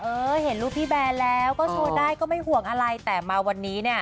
เออเห็นรูปพี่แบนแล้วก็โชว์ได้ก็ไม่ห่วงอะไรแต่มาวันนี้เนี่ย